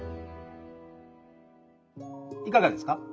いかがですか？